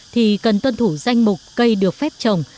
thì cần tuân thủ danh mục cây được phép trồng